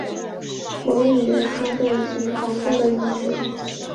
蒙语哈屯即皇后的意思。